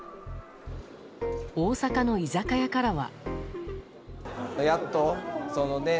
大阪の居酒屋からは。